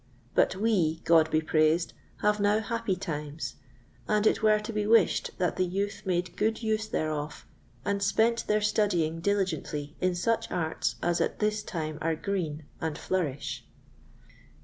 But we, God be praised, have now happy times; and it were to be wished that the youth made good use thereof, and spent their studying diligently in such arts as at this time are green, and flourish.